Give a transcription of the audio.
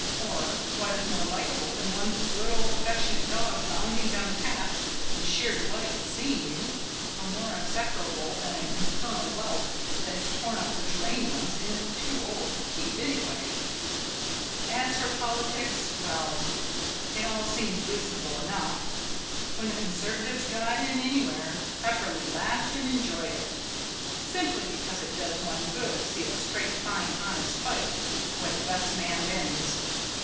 Or, what is more likeable than one's good, old, affectionate dog bounding down the path from sheer delight at seeing you, or more execrable than an infernal whelp that has torn up the geraniums and is too old to keep, anyway? As for politics, well, it all seemed reasonable enough. When the Conservatives got in anywhere, Pepperleigh laughed and enjoyed it, simply because it does one good to see a straight, fine, honest fight where the best man wins.